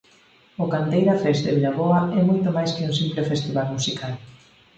O Canteira Fest de Vilaboa é moito máis que un simple festival musical.